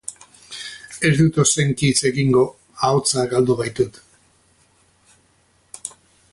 Ez dut ozenki hitz egingo, ahotsa galdu baitut.